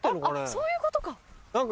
そういうことか。